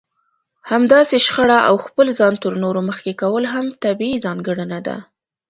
همداسې شخړه او خپل ځان تر نورو مخکې کول هم طبيعي ځانګړنه ده.